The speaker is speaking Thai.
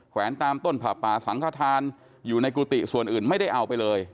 แวนตามต้นผ่าป่าสังขทานอยู่ในกุฏิส่วนอื่นไม่ได้เอาไปเลย